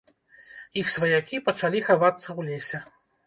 Іх сваякі пачалі хавацца ў лесе.